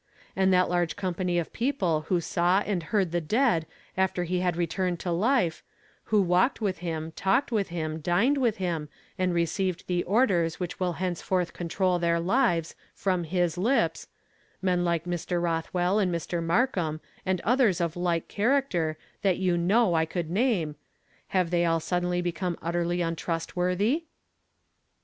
And that large company of people who saw and heard the dead after he had returned to life; who walked with him, talked with him, dined with him, and received the ordera which will henceforth control their lives, from his lips, men like Mr. Rothwell and Mr. Markam and others of like character, that you know I could name, have they all suddenly become utterly untrustworthy?"